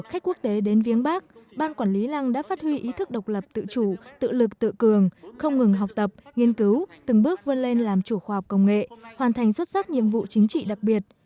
khách quốc tế đến viếng bắc ban quản lý lăng đã phát huy ý thức độc lập tự chủ tự lực tự cường không ngừng học tập nghiên cứu từng bước vươn lên làm chủ khoa học công nghệ hoàn thành xuất sắc nhiệm vụ chính trị đặc biệt